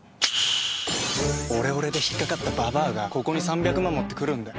オレオレで引っかかったババアがここに３００万持ってくるんだよ。